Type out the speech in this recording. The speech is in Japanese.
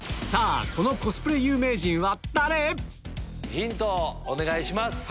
ヒントをお願いします。